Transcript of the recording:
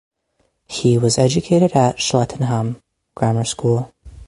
He was educated at Cheltenham Grammar School.